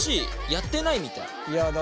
やってないみたい。